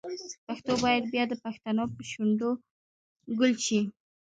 پښتو باید بیا د پښتنو په شونډو ګل شي.